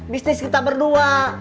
bisnis kita berdua